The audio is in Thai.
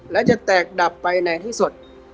และจะแตกดับไปในที่สุด